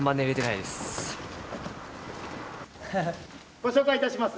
ご紹介いたします。